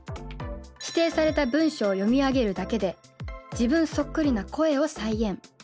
指定された文章を読み上げるだけで自分そっくりな声を再現。